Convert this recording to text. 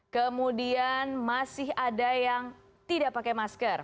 kemudian masih ada yang tidak pakai masker